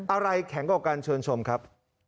อะไรแข็งกว่ากันเชิญชมครับ